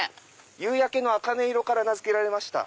夕焼けのあかね色から名付けられました。